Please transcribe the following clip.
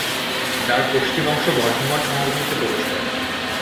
যার পশ্চিম অংশ বর্ধমান সমভূমিতে প্রবেশ করে।